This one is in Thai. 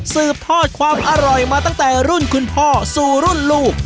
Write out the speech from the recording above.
สืบทอดความอร่อยมาตั้งแต่รุ่นคุณพ่อสู่รุ่นลูก